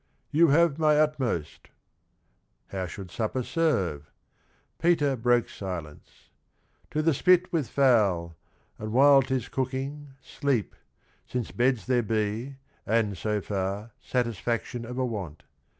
'You have my utmost.' How should supper serve? Peter broke silence : 'To the spit with fowl ! And while 't is cooking, sleep 1 since beds there be, And, so far, satisfaction of a want.